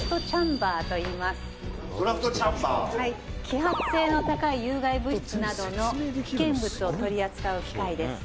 「揮発性の高い有害物質などの危険物を取り扱う機械です」